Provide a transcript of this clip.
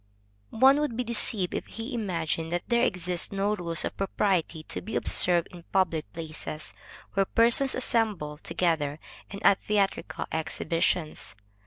_ One would be deceived if he imagined that there exist no rules of propriety to be observed in public places, where persons assemble together, and at theatrical exhibitions.